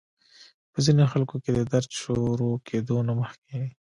پۀ ځينې خلکو کې د درد شورو کېدو نه مخکې